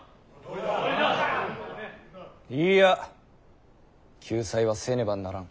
いいや救済はせねばならぬ。